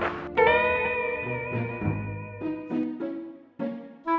terima kasih ya pak